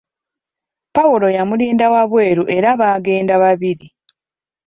Pawulo yamulinda wabweru era baagenda babiri.